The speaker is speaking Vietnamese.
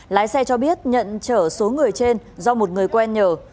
lái xe cho biết nhận chở số người trên do một người quen nhờ